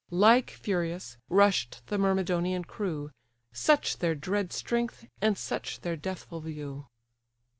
Like furious, rush'd the Myrmidonian crew, Such their dread strength, and such their deathful view.